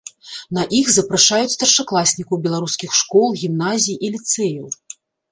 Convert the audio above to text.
На іх запрашаюць старшакласнікаў беларускіх школ, гімназій і ліцэяў.